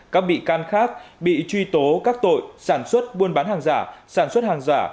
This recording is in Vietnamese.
các bị can khác bị truy tố các tội sản xuất buôn bán hàng giả sản xuất hàng giả